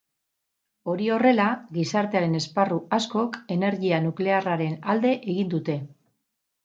Hori horrela, gizartearen esparru askok energia nuklearraren alde egin dute.